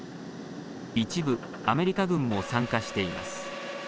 一部、アメリカ軍も参加しています。